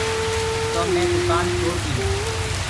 تو مي دُڪآن ڇوڙديٚنو۔